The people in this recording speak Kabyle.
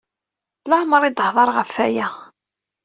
Laɛmeṛ i d-tehḍeṛ ɣef aya..